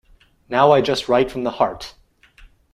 Now I just write from the heart.